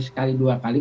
sekali dua kali